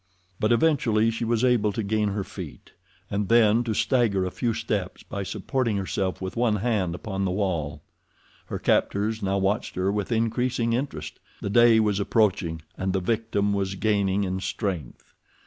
But eventually she was able to gain her feet, and then to stagger a few steps by supporting herself with one hand upon the wall. Her captors now watched her with increasing interest. The day was approaching, and the victim was gaining in strength.